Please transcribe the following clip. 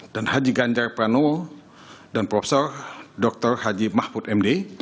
dan haji ganjar pranowo dan prof dr haji mahfud md